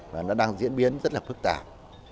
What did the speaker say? và nó đang diễn biến rất là phức tạp